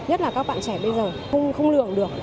nhất là các bạn trẻ bây giờ không lường được